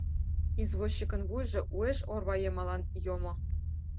Извозчикын вуйжо уэш орва йымалан йомо.